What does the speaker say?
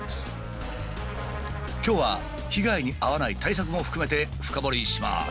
今日は被害に遭わない対策も含めて深掘りします。